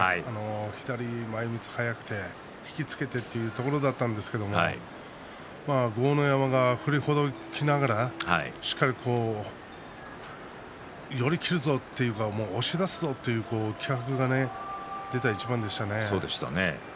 左前みつが早くて引き付けて出るところだったんですけれど豪ノ山が振りほどきながらしっかり寄り切るぞというか押し出すぞという気迫が出た一番でしたね。